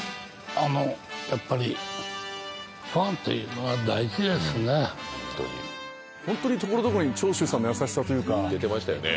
あのやっぱりホントにところどころに長州さんの優しさというか出てましたよね